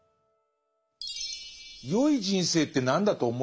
「よい人生って何だと思います？」